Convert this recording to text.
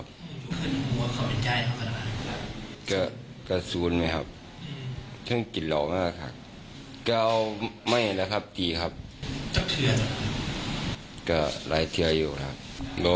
บอกว่าเงียบแล้วครับ